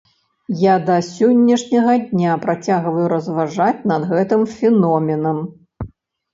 Я да сённяшняга дня працягваю разважаць над гэтым феноменам.